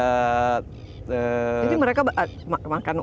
jadi mereka makan udang